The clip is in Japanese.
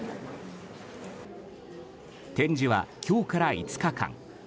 展示は今日から５日間。